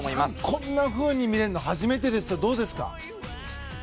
こんなふうに見れるのは初めてですよ、どうですか。